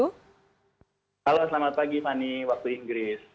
halo selamat pagi fani waktu inggris